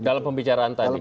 dalam pembicaraan tadi